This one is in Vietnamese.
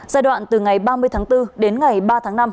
giai đoạn từ ngày ba mươi tháng bốn đến ngày ba tháng năm